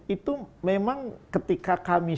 itu memang ketika kami